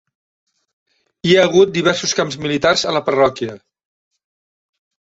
Hi ha hagut diversos camps militars a la parròquia.